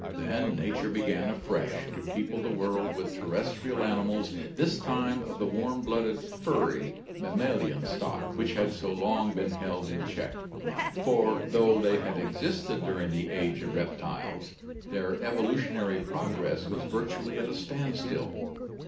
Then nature began afresh to people the world with terrestrial animals, this time of the warm blooded funy mammalian stock which had so long been held in check, for though they had existed during the Age of Reptiles their evolutionary prog ress was virtually at a standstill.